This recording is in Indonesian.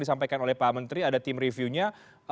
disampaikan oleh pak menteri ada tim reviewnya